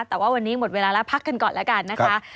แต่ว่าวันนี้หมดเวลาแล้วพักกันก่อนแล้วกันนะคะ